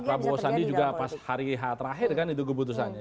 prabowo sandi juga pas hari h terakhir kan itu keputusannya